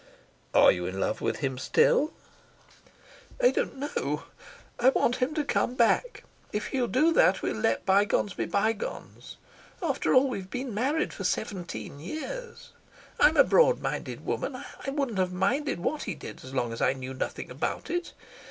"Are you in love with him still?" "I don't know. I want him to come back. If he'll do that we'll let bygones be bygones. After all, we've been married for seventeen years. I'm a broadminded woman. I wouldn't have minded what he did as long as I knew nothing about it.